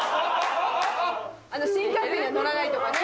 新幹線は乗らないとかね